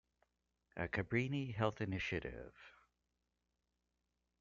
A Cabrini Health initiative.